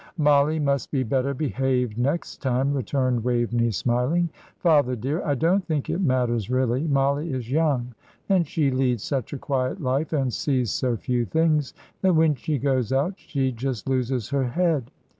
"Mollie must be better behaved next time," returned Waveney, smiling. "Father, dear, I don't think it matters really. Mollie is young, and she leads such a quiet life, and sees so few things, that when she goes out she just loses her head.